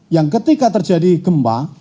yang ketika terjadi gempa